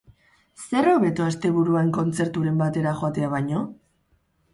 Zer hobeto asteburuan kontzerturen batera joatea baino?